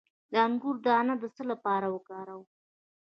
د انګور دانه د څه لپاره وکاروم؟